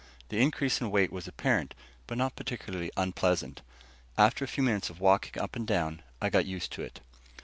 The increase in weight was apparent, but not particularly unpleasant. After a few minutes of walking up and down I got used to it.